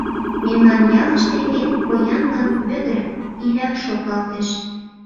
— Мемнан ялыште эн поянлан Вӧдыр Иля шотлалтеш.